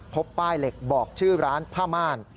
พบป้ายเหล็กบอกชื่อร้านผ้าม่าน